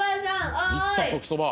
いった『時そば』。